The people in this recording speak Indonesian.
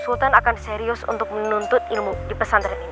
sultan akan serius untuk menuntut ilmu di pesantren ini